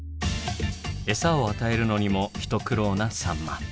餌を与えるのにも一苦労なサンマ。